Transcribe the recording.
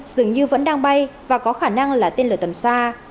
dường như vẫn đang bay và có khả năng là tên lửa tầm xa